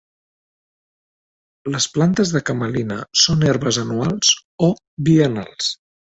Les plantes de camelina són herbes anuals o biennals.